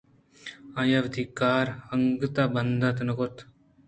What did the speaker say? آئی وتی کار انگتءَ بندات نہ کُتگ